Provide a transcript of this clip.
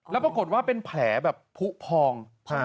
แล้วปรากฏว่าเป็นแผลแบบผู้พอง